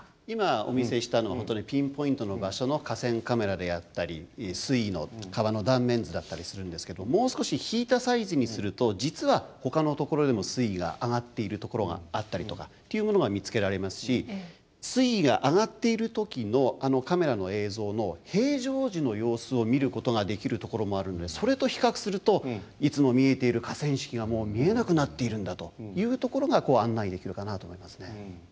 今お見せしたの本当にピンポイントの場所の河川カメラであったり水位の川の断面図だったりするんですけどもう少し引いたサイズにすると実はほかのところでも水位が上がっているところがあったりとかっていうものが見つけられますし水位が上がっている時のカメラの映像の平常時の様子を見ることができるところもあるのでそれと比較するといつも見えている河川敷がもう見えなくなっているんだというところが案内できるかなと思いますね。